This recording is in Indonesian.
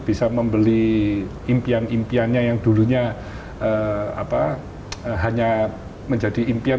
bisa membeli impian impiannya yang dulunya hanya menjadi impian